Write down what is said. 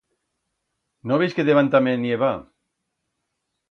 No veis que debant tamé nieva?